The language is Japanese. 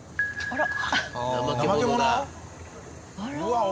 あら。